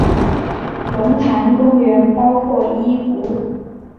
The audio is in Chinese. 龙潭公园包括一湖。